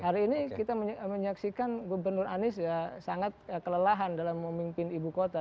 hari ini kita menyaksikan gubernur anies ya sangat kelelahan dalam memimpin ibu kota